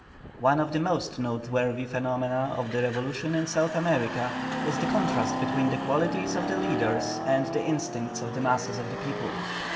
One of the most noteworthy phenomena of the revolution in South America is the contrast between the qualities of the leaders and the instincts of the masses of the people.